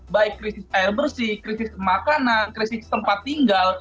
baik krisis air bersih krisis makanan krisis tempat tinggal